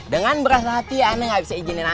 dengan beras hati ana gak bisa izinin ana keluar